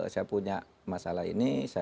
saya punya masalah ini